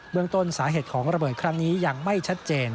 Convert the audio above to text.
เมืองต้นสาเหตุของระเบิดครั้งนี้ยังไม่ชัดเจน